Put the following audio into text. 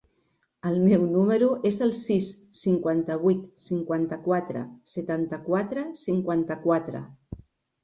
El meu número es el sis, cinquanta-vuit, cinquanta-quatre, setanta-quatre, cinquanta-quatre.